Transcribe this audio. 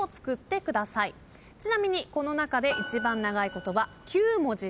ちなみにこの中で一番長い言葉。